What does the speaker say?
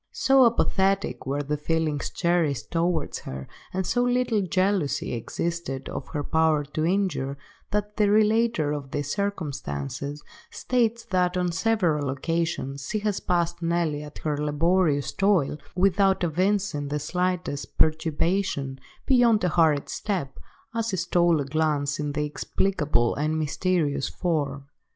So apathetic were the feelings cherished towards her, and so little jealousy existed of her power to injure, that the relater of these circumstances states that on several occasions she has passed Nelly at her laborious toil, without evincing the slightest perturbation, beyond a hurried step, as she stole a glance at the inexplicable and mysterious form.